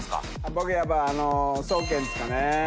僕やっぱソケンですかね。